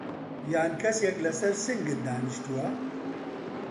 یان کەسێک لەسەر سنگت دانیشتووه؟